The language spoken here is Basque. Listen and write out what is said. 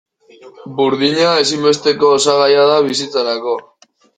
Burdina ezinbesteko osagaia da bizitzarako.